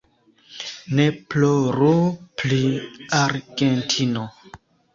Ne ploru pri Argentino!